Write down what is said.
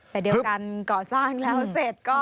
แต่เดียวกันก่อสร้างแล้วเสร็จก็